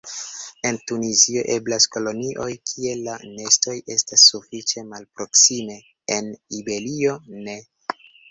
En Tunizio eblas kolonioj kie la nestoj estas sufiĉe malproksime; en Iberio ne.